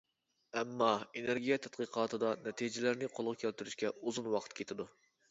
ئەمما ئېنېرگىيە تەتقىقاتىدا نەتىجىلەرنى قولغا كەلتۈرۈشكە ئۇزۇن ۋاقىت كېتىدۇ.